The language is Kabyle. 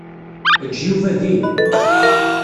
Ejj Yuba din.